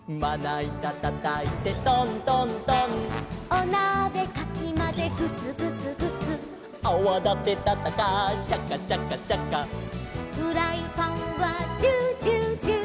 「おなべかきまぜグツグツグツ」「アワだてたったかシャカシャカシャカ」「フライパンはジュージュージュー」